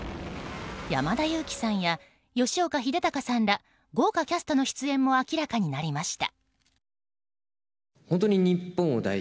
山田裕貴さんや吉岡秀隆さんら豪華キャストの出演も明らかになりました。